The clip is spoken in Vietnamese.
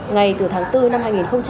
ngày từ tháng bốn năm hai nghìn một mươi chín